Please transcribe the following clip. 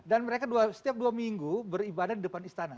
dan mereka setiap dua minggu beribadah di depan istana